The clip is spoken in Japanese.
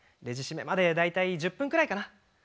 レジ締めまで大体１０分くらいかな。